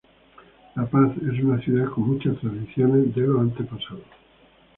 La Paz es una ciudad con muchas tradiciones de los antepasados.